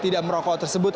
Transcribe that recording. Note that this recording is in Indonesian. tidak merokok tersebut